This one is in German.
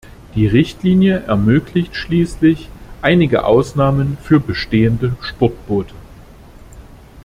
Die Richtlinie ermöglicht schließlich einige Ausnahmen für bestehende Sportboote.